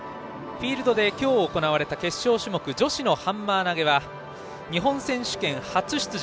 フィールドで行われた今日の決勝種目女子のハンマー投げは日本選手権初出場